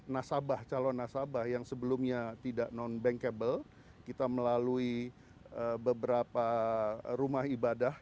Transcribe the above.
nasabah calon nasabah yang sebelumnya tidak non bankable kita melalui beberapa rumah ibadah